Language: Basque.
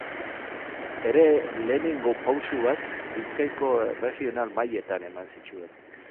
Bere lehenengo pausoak Bizkaiko Erregional Mailetan eman zituen.